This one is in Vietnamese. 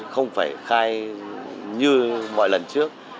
không phải khai như mọi lần trước